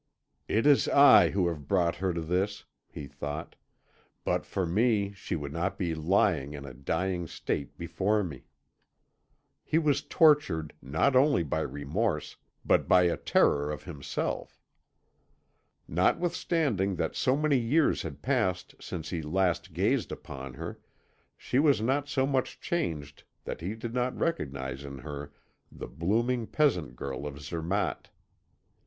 "It is I who have brought her to this," he thought. "But for me she would not be lying in a dying state before me." He was tortured not only by remorse, but by a terror of himself. Notwithstanding that so many years had passed since he last gazed upon her, she was not so much changed that he did not recognise in her the blooming peasant girl of Zermatt.